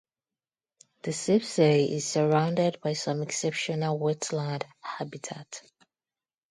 The Sipsey is surrounded by some exceptional wetland habitat.